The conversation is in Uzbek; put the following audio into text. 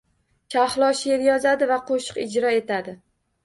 Shahlo sheʼr yozadi va qoʻshiq ijro etadi.